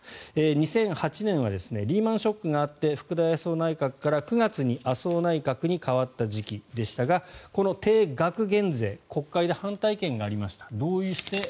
２００８年はリーマン・ショックがあって福田康夫内閣から９月に麻生内閣に代わった時期でしたが、この定額減税国会で反対意見がありました。